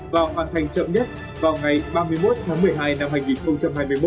và hoàn thành chậm nhất vào ngày ba mươi một tháng một mươi hai năm hai nghìn hai mươi một